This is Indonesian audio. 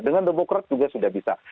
dengan demokrat juga sudah bisa